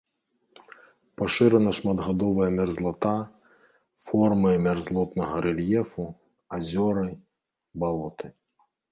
Пашырана шматгадовая мерзлата, формы мярзлотнага рэльефу, азёры, балоты.